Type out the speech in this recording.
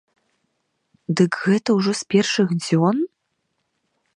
Дык гэта ўжо з першых дзён?!